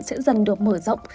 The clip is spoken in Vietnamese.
sẽ dần được mở rộng